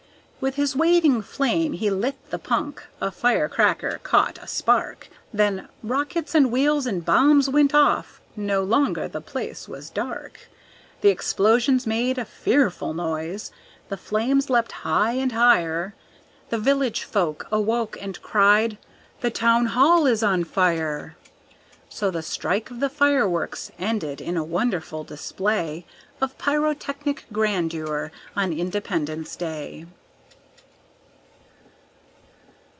With his waving flame he lit the punk a firecracker caught a spark, Then rockets and wheels and bombs went off no longer the place was dark! The explosions made a fearful noise, the flames leaped high and higher, The village folk awoke and cried, "The town hall is on fire!" So the strike of the fireworks ended in a wonderful display Of pyrotechnic grandeur on Independence Day!